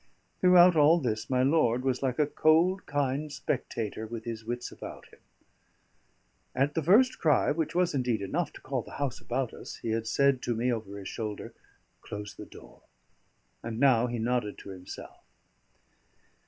Throughout all this my lord was like a cold, kind spectator with his wits about him. At the first cry, which was indeed enough to call the house about us, he had said to me over his shoulder, "Close the door." And now he nodded to himself.